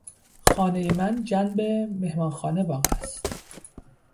خانهٔ من جنب مهمانخانه واقع است.